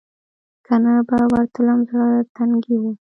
که نه به ورتلم زړه تنګۍ و.